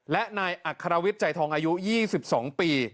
และนายอัครวิทย์ใจทองอายุ๒๒ปี